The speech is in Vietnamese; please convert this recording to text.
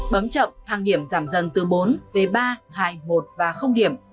bấm chậm thăng điểm giảm dần từ bốn v ba hai một và điểm